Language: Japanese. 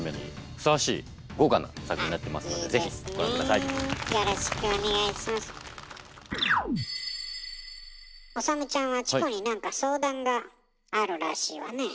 理ちゃんはチコに何か相談があるらしいわね。